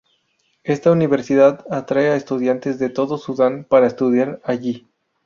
Esta universidad atrae a estudiantes de todo Sudán para estudiar allí.